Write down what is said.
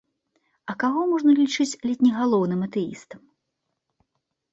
А каго можна лічыць ледзь не галоўным атэістам?